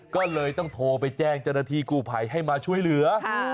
ก็เลยต้องโทรไปแจ้งจรฐีกู้ภัยให้มาช่วยเหลือ